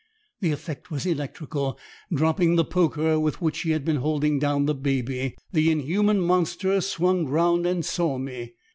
The effect was electrical. Dropping the poker, with which he had been holding down the baby, the inhuman monster swung round and saw me.